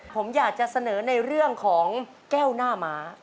ผมอยากจะเสนอในเรื่องของแก้วหน้าม้า